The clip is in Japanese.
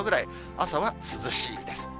朝は涼しいです。